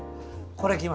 これ。